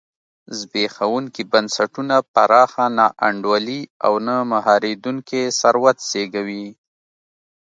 زبېښونکي بنسټونه پراخه نا انډولي او نه مهارېدونکی ثروت زېږوي.